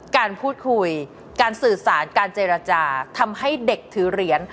การพูดคุยการสื่อสารการเจรจาทำให้เด็กถือเหรียญ